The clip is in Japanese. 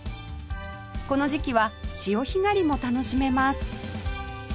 この時期は潮干狩りも楽しめます